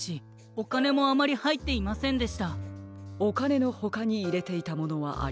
おかねのほかにいれていたものはありますか？